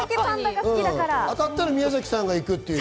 当たったら宮崎さんが行くという。